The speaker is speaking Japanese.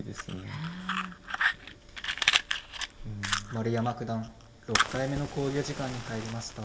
丸山九段６回目の考慮時間に入りました。